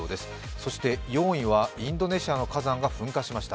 そして４位はインドネシアの火山が噴火しました。